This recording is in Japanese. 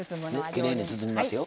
きれいに包みますよ。